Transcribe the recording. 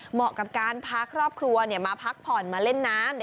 เหมาะกับการพาครอบครัวมาพักผ่อนมาเล่นน้ำ